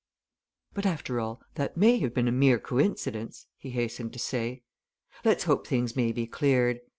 "But after all, that may have been a mere coincidence," he hastened to say. "Let's hope things may be cleared.